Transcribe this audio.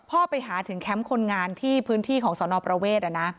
พ่อไปหาถึงแคมป์คนงานที่พื้นที่ของสอนอประเวทอ่ะนะ